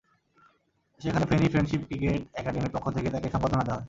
সেখানে Feni Friendship Cricket একাডেমির পক্ষ থেকে তাঁকে সংবর্ধনা দেওয়া হয়।